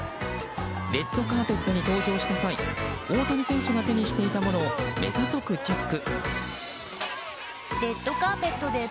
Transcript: レッドカーペットに登場した際大谷選手が手にしていたものを目ざとくチェック。